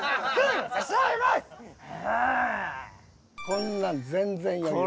こんなん全然余裕。